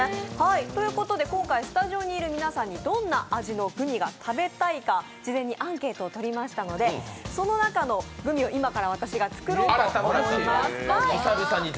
ということで今回、スタジオにいる皆さんにどんな味のグミが食べたいか事前にアンケートを取りましたので、その中のグミを今から私が作ろうと思います。